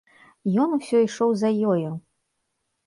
Ён усё ішоў за ёю.